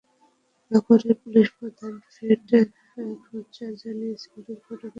নগরের পুলিশপ্রধান Fred Fletcher জানিয়েছেন, দুর্ঘটনায় পাঁচজন শিশু মারা গেছে।